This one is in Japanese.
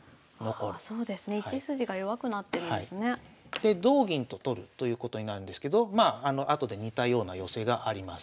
で同銀と取るということになるんですけどまあ後で似たような寄せがあります。